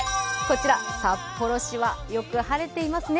札幌市はよく晴れていますね。